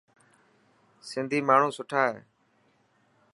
سنڌي ماڻهو سٺا هي.